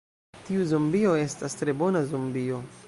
Tiu zombio estas tre bona zombio.